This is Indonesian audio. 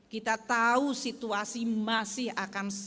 kita tahu situasi masih akan sangat